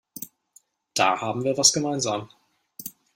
Da haben wir was gemeinsam.